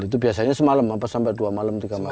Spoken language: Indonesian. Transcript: itu biasanya semalam apa sampai dua malam